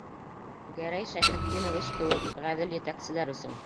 Гәрәй Шәйхетдинович кеүек ғәҙел етәкселәр өсөн!..